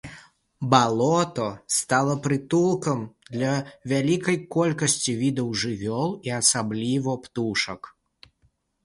Балота стала прытулкам для вялікай колькасці відаў жывёл і асабліва птушак.